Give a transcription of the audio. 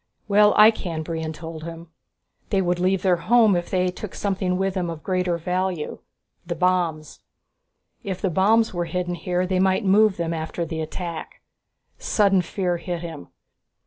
"Well, I can," Brion told him. "They would leave their home if they took something with them of greater value. The bombs. If the bombs were hidden here, they might move them after the attack." Sudden fear hit him.